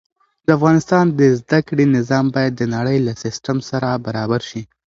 د افغانستان د زده کړې نظام باید د نړۍ له سيستم سره برابر شي.